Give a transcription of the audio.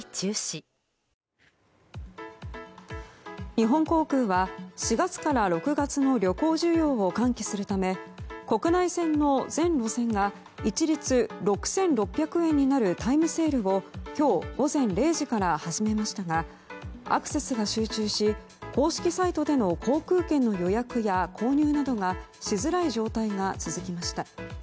日本航空は４月から６月の旅行需要を喚起するため国内線の全路線が一律６６００円になるタイムセールを今日午前０時から始めましたがアクセスが集中し公式サイトでの航空券の予約や購入がしづらい状態が続きました。